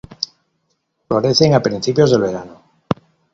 Florecen a principios del verano.